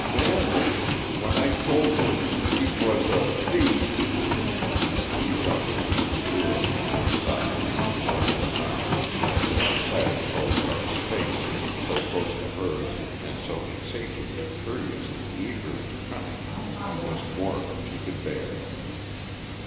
"Manley when I told him he was a thief " She dropped her hand wearily to her side and closed her eyes, as if the sight of Polycarp's face, so close to hers and so insatiably curious and eager and cunning, was more than she could bear.